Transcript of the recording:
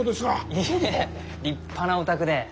いえ立派なお宅で。